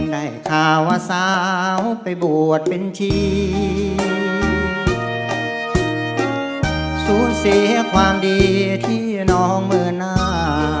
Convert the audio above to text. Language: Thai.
ในขาวสาวไปบวชเป็นชีสูญเสียความดีที่น้องเมื่อเจ้า